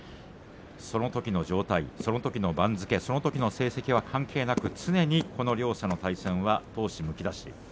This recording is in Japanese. そのときの状態、そのときの番付そのときの成績は関係なく常にこの両者の対戦は闘志むき出し。